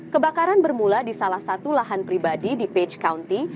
kebakaran bermula di salah satu lahan pribadi di page county